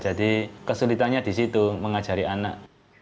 jadi kesulitannya di situ mengajari anak